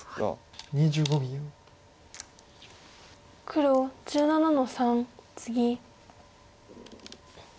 黒１７の三ツギ。